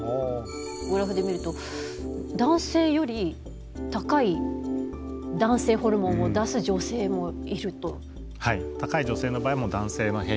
グラフで見ると男性より高い男性ホルモンを出す女性もいると。